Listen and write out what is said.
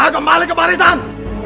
kembali ke barisan